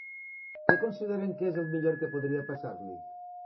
Què consideren que és el millor que podria passar-li?